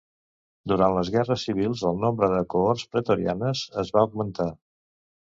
Durant les guerres civils el nombre de cohorts pretorianes es va augmentar.